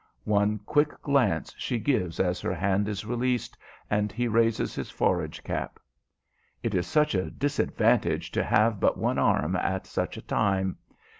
One quick glance she gives as her hand is released and he raises his forage cap. It is such a disadvantage to have but one arm at such a time!